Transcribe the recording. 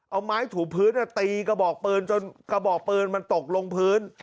เอาไม้ถูพื้นตีกระบอกปืนจนกระบอกปืนมันตกลงพื้น